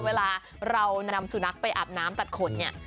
เวลาเรานำสุนัขไปอาบน้ำตัดขนเนี่ย